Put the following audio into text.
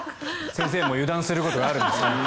先生も油断することがあるんですね。